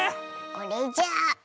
これじゃ。